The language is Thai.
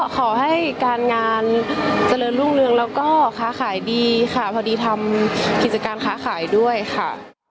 ขอให้การงานเจริญรุ่งเรืองแล้วก็ค้าขายดีค่ะพอดีทำกิจการค้าขายด้วยค่ะ